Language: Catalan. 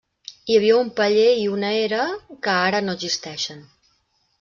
Hi havia un paller i una era que ara no existeixen.